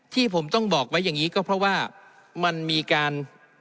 ที่ผมต้องบอกไว้อย่างนี้ก็เพราะว่ามันมีการ